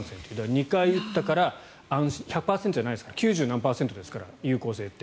２回打ったから１００％じゃないですが９０何パーセントですから有効性って。